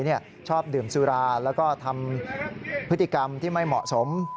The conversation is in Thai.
ชอบดื่มสุราแล้วก็ทำพฤติกรรมที่ไม่เหมาะสม